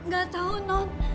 gak tau non